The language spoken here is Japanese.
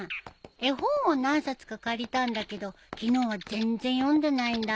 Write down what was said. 絵本を何冊か借りたんだけど昨日は全然読んでないんだ。